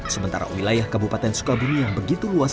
sementara wilayah kabupaten sukabumi yang begitu luas